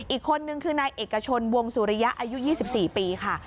อีกคนนึงคือนายเอกชนวงสุริยะอายุ๒๔ปีค่ะ